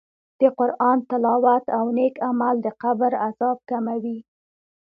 د قرآن تلاوت او نېک عمل د قبر عذاب کموي.